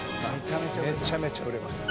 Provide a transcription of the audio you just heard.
めちゃめちゃ売れます。